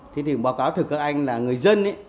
thế thì báo cáo từ các anh là người dân